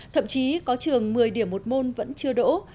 thậm chí có trường một mươi điểm một môn vẫn chưa đỗ